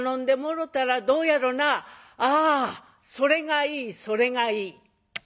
「ああそれがいいそれがいい」。